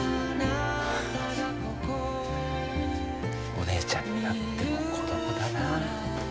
お姉ちゃんになっても子どもだなあ。